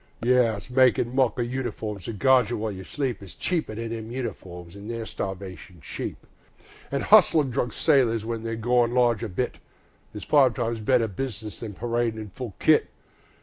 Yes, makin' mock o' uniforms that guard you while you sleep Is cheaper than them uniforms, an' they're starvation cheap; An' hustlin' drunken soldiers when they're goin' large a bit Is five times better business than paradin' in full kit.